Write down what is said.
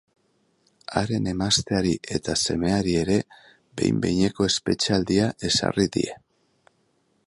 Haren emazteari eta semeari ere behin-behineko espetxealdia ezarri die.